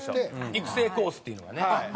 育成コースっていうのがね。